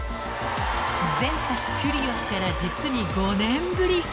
［前作『キュリオス』から実に５年ぶり］